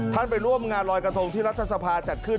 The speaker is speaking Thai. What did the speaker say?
ไปร่วมงานลอยกระทงที่รัฐสภาจัดขึ้น